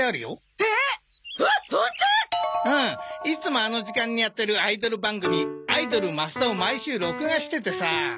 いつもあの時間にやってるアイドル番組『アイドル増田』を毎週録画しててさ。